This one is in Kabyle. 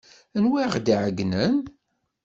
Anwa ay aɣ-d-iɛeyynen?